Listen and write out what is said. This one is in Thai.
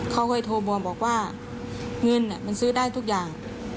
เขาเคยโทรมาบอกว่าเงินมันซื้อได้ทุกอย่าง